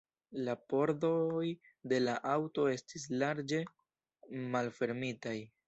La pordoj de la aŭto estis larĝe malfermitaj.